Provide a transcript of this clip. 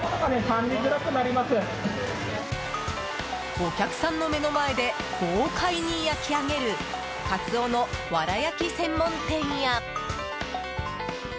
お客さんの目の前で豪快に焼き上げるカツオのわら焼き専門店や。